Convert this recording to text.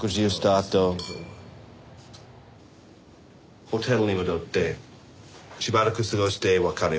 あとホテルに戻ってしばらく過ごして別れました。